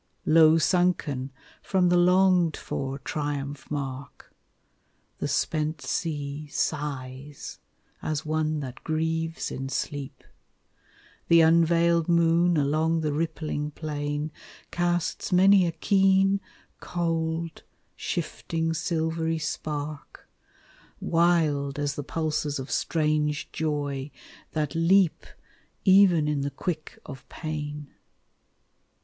Low sunken from the longed for triumph mark; The spent sea sighs as one that grieves in sleep. The unveiled moon along the rippling plain Casts many a keen, cold, shifting silvery spark, Wild as the pulses of strange joy, that leap Even in the quick of pain.